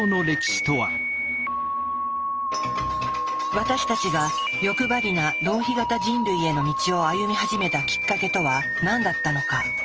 私たちが欲張りな浪費型人類への道を歩み始めたきっかけとは何だったのか？